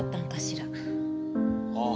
ああ